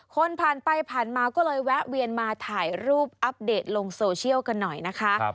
คนผ่านไปผ่านมาก็เลยแวะเวียนมาถ่ายรูปอัปเดตลงโซเชียลกันหน่อยนะคะ